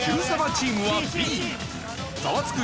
チームはＢザワつく！